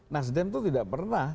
nasdem itu tidak pernah